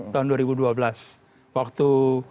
tahun dua ribu dua belas waktu